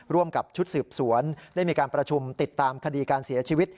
ร่วมกับชุดสืบสวนได้มีการประชุมติดตามคดีการเสียชีวิต